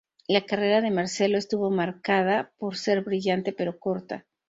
La carrera de Marcelo estuvo marcada por ser brillante pero corta.